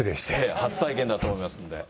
初体験だと思いますんで。